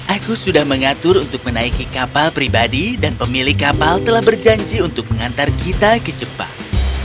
aku sudah mengatur untuk menaiki kapal pribadi dan pemilik kapal telah berjanji untuk mengantar kita ke jepang